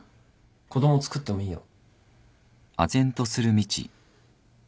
子供つくってもいいよ。